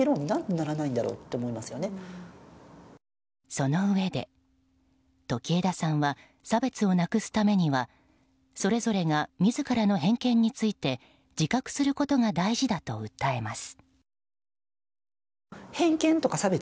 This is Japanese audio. そのうえで、時枝さんは差別をなくすためにはそれぞれが自らの偏見について自覚することが大事だと訴えます。